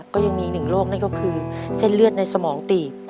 ก็ยังมีหนึ่งโรคนั่นก็คือเส้นเลือดในสมองตีบ